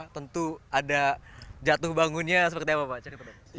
tentu ada jatuh bangunnya seperti apa pak cerita